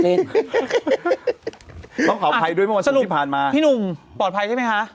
ต้องขอภัยด้วยคุณผู้ชามที่ผ่านมาพี่นุ่มปลอดภัยได้มั้ยคะ